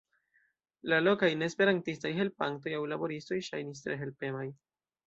La lokaj neesperantistaj helpantoj aŭ laboristoj ŝajnis tre helpemaj.